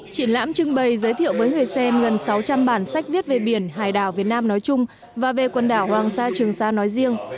triển lãm trưng bày giới thiệu với người xem gần sáu trăm linh bản sách viết về biển hải đảo việt nam nói chung và về quần đảo hoàng sa trường sa nói riêng